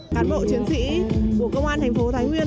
cán bộ chiến sĩ của công an thành phố thái nguyên